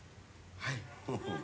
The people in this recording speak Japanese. はい。